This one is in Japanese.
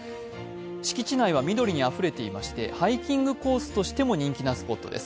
敷地内は緑にあふれていまして、ハイキングコースとしても人気なスポットです。